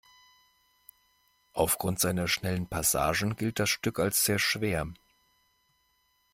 Aufgrund seiner schnellen Passagen gilt das Stück als sehr schwer.